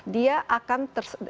dia akan menyerang terus